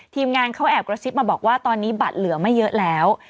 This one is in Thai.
ทีมงานเขาแอบกระซิบมาบอกว่าตอนนี้บัตรเหลือไม่เยอะแล้ว